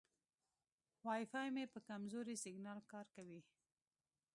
وای فای مې په کمزوري سیګنال کار کوي.